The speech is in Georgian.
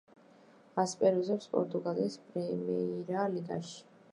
ასპარეზობს პორტუგალიის პრიმეირა ლიგაში.